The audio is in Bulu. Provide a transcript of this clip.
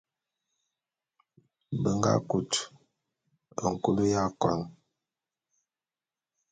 Be nga kute nkul akon.